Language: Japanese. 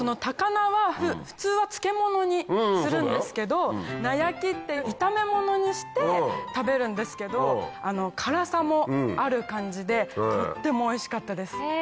高菜は普通は漬物にするんですけど菜焼きっていう炒めものにして食べるんですけど辛さもある感じでとってもおいしかったです。